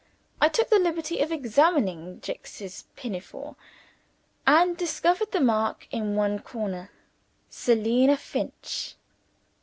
I took the liberty of examining "Jicks's" pinafore, and discovered the mark in one corner: "Selina Finch."